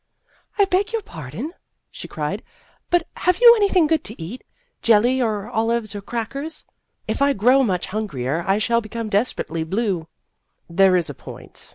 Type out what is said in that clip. " I beg your pardon," she cried, " but have you anything good to eat jelly or olives or crackers ? If I grow much hungrier, I shall become desperately blue." There is a point.